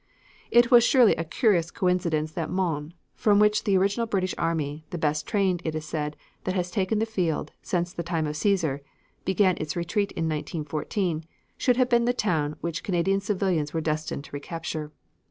It surely was a curious coincidence that Mons, from which the original British army the best trained, it is said, that has taken the field since the time of Caesar began its retreat in 1914, should have been the town which Canadian civilians were destined to recapture.